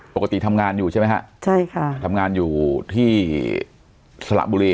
ปกติทำงานอยู่ใช่ไหมฮะใช่ค่ะทำงานอยู่ที่สระบุรี